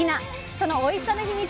そのおいしさの秘密